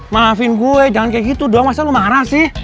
maafin gue jangan kayak gitu doang masa lu marah sih